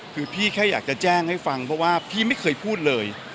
คือพี่แค่อยากจะแจ้งให้ฟังเพราะว่าพี่ไม่เคยพูดเลย